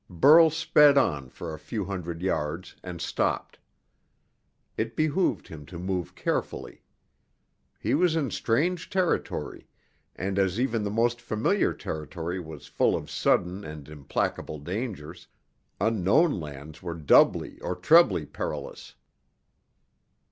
Burl sped on for a few hundred yards, and stopped. It behooved him to move carefully. He was in strange territory, and as even the most familiar territory was full of sudden and implacable dangers, unknown lands were doubly or trebly perilous.